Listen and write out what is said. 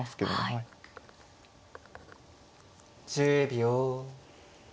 １０秒。